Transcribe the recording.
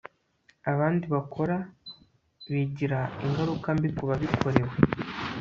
abandi bakora bigira ingaruka mbi kubabikorewe